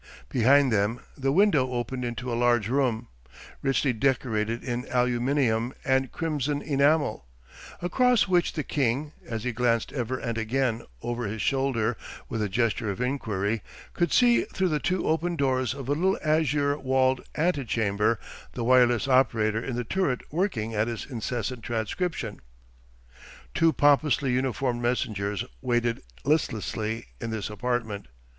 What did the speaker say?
Behind them the window opened into a large room, richly decorated in aluminium and crimson enamel, across which the king, as he glanced ever and again over his shoulder with a gesture of inquiry, could see through the two open doors of a little azure walled antechamber the wireless operator in the turret working at his incessant transcription. Two pompously uniformed messengers waited listlessly in this apartment.